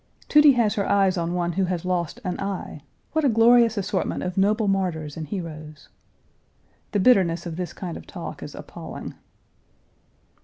"Tudy has her eyes on one who has lost an eye. What a glorious assortment of noble martyrs and heroes!" "The bitterness of this kind of talk is appalling."